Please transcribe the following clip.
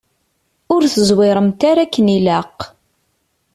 Ur teẓwiremt ara akken ilaq.